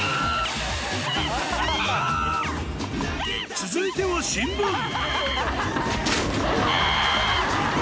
続いては新聞キャ！